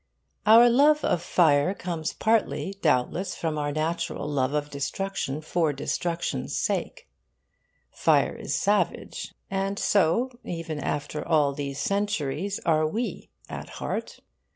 Our love of fire comes partly, doubtless, from our natural love of destruction for destruction's sake. Fire is savage, and so, even after all these centuries, are we, at heart.